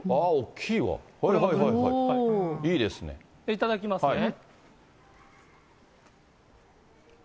いただきますね。